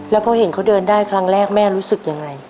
แล้วพอเห็นเขาเดินได้ครั้งแรกแม่รู้สึกยังไง